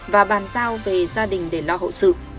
và bàn giao về gia đình để lo hậu sự